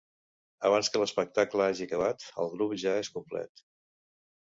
Abans que l'espectacle hagi acabat, el grup ja és complet.